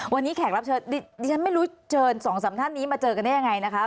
วันนี้แขกรับเชิญดิฉันไม่รู้เชิญสองสามท่านนี้มาเจอกันได้ยังไงนะคะ